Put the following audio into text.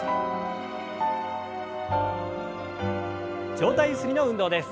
上体ゆすりの運動です。